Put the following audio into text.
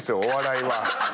お笑いは。